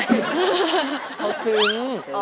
เขาซึ้ง